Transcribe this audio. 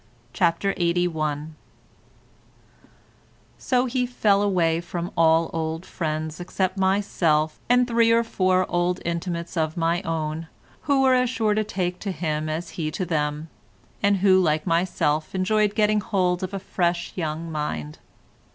CHAPTER LXXXI So he fell away from all old friends except myself and three or four old intimates of my own, who were as sure to take to him as he to them, and who like myself enjoyed getting hold of a young fresh mind.